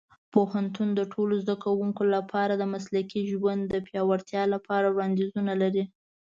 پوهنتون د ټولو زده کوونکو لپاره د مسلکي ژوند د پیاوړتیا لپاره وړاندیزونه لري.